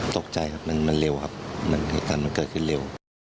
ตกใจนะครับมันเร็วครับมันเกิดขึ้นเร็ว